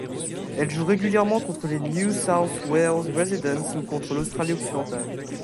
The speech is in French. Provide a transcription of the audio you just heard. Elle joue régulièrement contre les New South Wales Residents ou contre l'Australie-Occidentale.